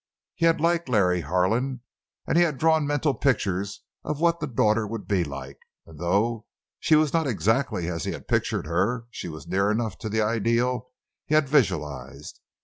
He had liked Larry Harlan, and he had drawn mental pictures of what the daughter would be like; and, though she was not exactly as he had pictured her, she was near enough to the ideal he had visualized.